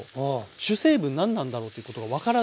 主成分何なんだろうということが分からずに。